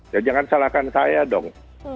ya jangan salahkan saya dong